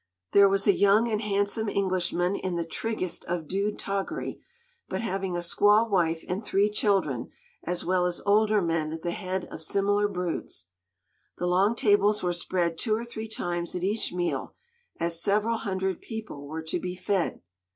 There was a young and handsome Englishman in the triggest of dude toggery, but having a squaw wife and three children, as well as older men at the head of similar broods. The long tables were spread two or three times at each meal, as several hundred people were to be fed.